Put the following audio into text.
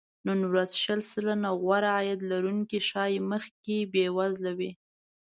نن ورځ شل سلنه غوره عاید لرونکي ښايي مخکې بې وزله وي